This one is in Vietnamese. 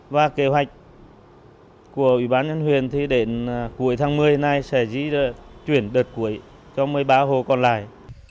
và kế hoạch của ủy ban nhân huyền thì đến cuối tháng một mươi nay sẽ diễn ra chuyển đợt cuối cho một mươi ba hồ còn lại